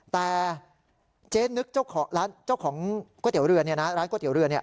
แต่เจ๊นึกเจ้าของร้านก๋วยเตี๋ยวเรือ